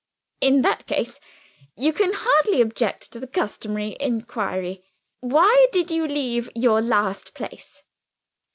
"In that case, you can hardly object to the customary inquiry. Why did you leave your last place?"